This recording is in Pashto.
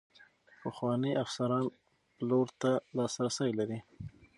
پخواني افسران پلور ته لاسرسی لري.